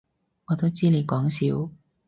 我都知你講笑